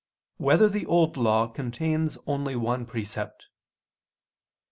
1] Whether the Old Law Contains Only One Precept?